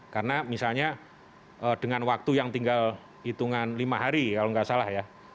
karena misalnya dengan waktu yang tinggal hitungan lima hari kalau tidak salah ya